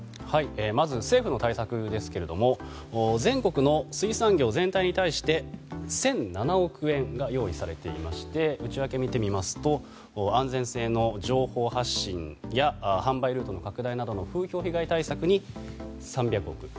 まず政府の対策ですが全国の水産業全体に対して１００７億円が用意されていまして内訳を見てみますと安全性の情報発信や販売ルートの拡大などの風評被害対策に３００億円。